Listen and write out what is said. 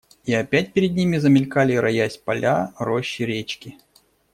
И опять перед ними замелькали, роясь, поля, рощи, речки.